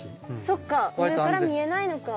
そっか上から見えないのか。